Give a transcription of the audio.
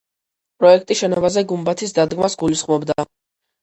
პროექტი შენობაზე გუმბათის დადგმას გულისხმობდა.